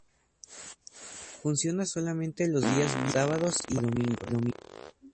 Funciona solamente los días viernes, sábados y domingos.